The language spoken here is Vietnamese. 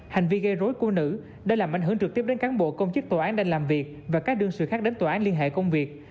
hành vi gây rối của nữ đã làm ảnh hưởng trực tiếp đến cán bộ công chức tòa án đang làm việc và các đương sự khác đến tòa án liên hệ công việc